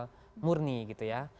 profesional murni gitu ya